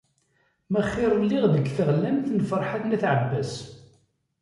Mer axir lliɣ deg teɣlamt n Ferḥat n At Ɛebbas.